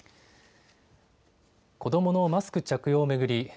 子どものマスク着用を巡り